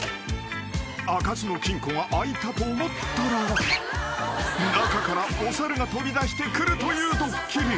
［開かずの金庫が開いたと思ったら中からお猿が飛び出してくるというドッキリ］